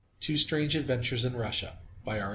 TWO STRANGE ADVENTURES IN RUSSIA By R.